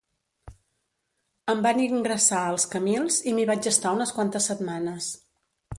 Em van ingressar als Camils i m'hi vaig estar unes quantes setmanes.